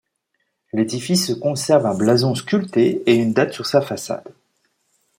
L'édifice conserve un blason sculpté et une date sur sa façade.